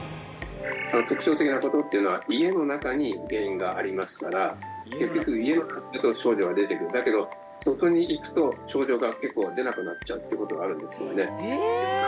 特徴的なことっていうのは家の中に原因がありますから結局家の中だと症状が出てくるだけど外に行くと症状が結構出なくなっちゃうっていうことがあるんですよね